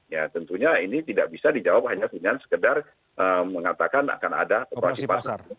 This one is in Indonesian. ya tentunya ini tidak bisa dijawab hanya dengan sekedar mengatakan akan ada operasi pasar